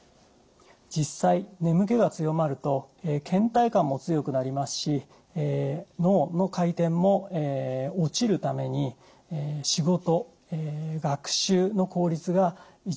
実際眠気が強まるとけん怠感も強くなりますし脳の回転も落ちるために仕事学習の効率が著しく落ちます。